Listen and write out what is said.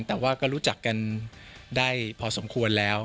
แต่ว่าก็รู้จักกันได้พอสมควรแล้ว